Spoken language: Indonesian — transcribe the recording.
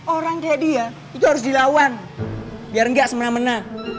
orang kayak dia itu harus dilawan biar nggak semena mena